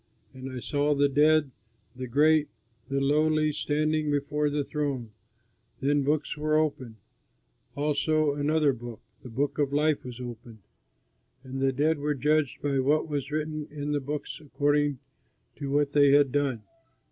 And I saw the dead, the great and the lowly, standing before the throne. Then books were opened; also another book, the Book of Life, was opened, and the dead were judged by what was written in the books according to what they had done.